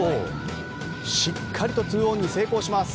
しっかりと２オンに成功します。